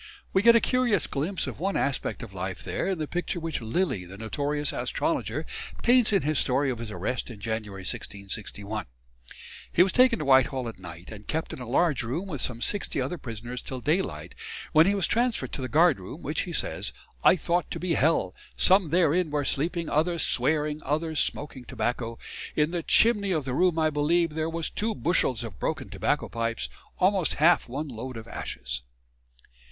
We get a curious glimpse of one aspect of life there in the picture which Lilly, the notorious astrologer, paints in his story of his arrest in January 1661. He was taken to Whitehall at night, and kept in a large room with some sixty other prisoners till daylight, when he was transferred to the guardroom, which, he says, "I thought to be hell; some therein were sleeping, others swearing, others smoaking tobacco. In the chimney of the room I believe there was two bushels of broken tobacco pipes, almost half one load of ashes."